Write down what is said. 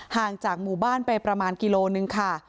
ห่างจากหมู่บ้านไปประมาณกิโลนึงค่ะ